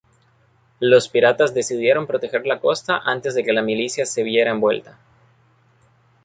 Los piratas decidieron proteger la costa antes de que la milicia se viera envuelta.